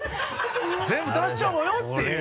全部出しちゃおうよっていう。